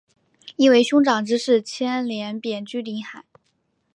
因为兄长之事牵连贬居临海。